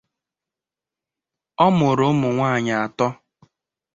Ọ mụrụ ụmụ nwanyị atọ.